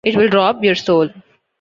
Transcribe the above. It will rob your soul.